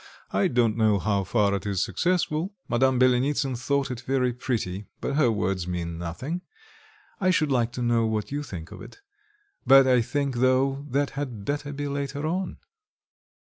I don't know how far it is successful. Madame Byelenitsin thought it very pretty, but her words mean nothing. I should like to know what you think of it. But, I think, though, that had better be later on."